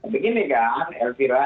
begini kan elvira